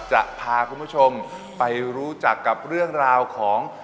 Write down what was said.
จะพาคุณผู้ชมไปรู้จักกับเรื่องราวของ